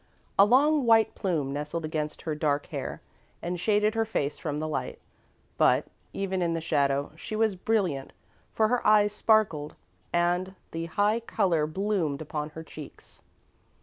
A long white plume nestled against her dark hair and shaded her face from the light, but, even in the shadow, she was brilliant, for her eyes sparkled and the high colour bloomed upon her cheeks.